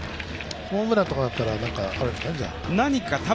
ホームランとかだったらですかね。